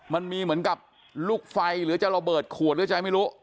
มันมีเหมือนกับลูกไฟหรือจะระเบิดขวดหรือจะไม่รู้